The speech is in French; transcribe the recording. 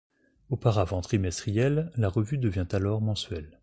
Auparavant trimestrielle, la revue devient alors mensuelle.